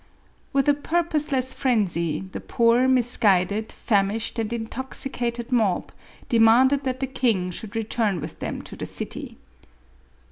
With a purposeless phrenzy, the poor, misguided, famished, and intoxicated mob, demanded that the king should return with them to the city.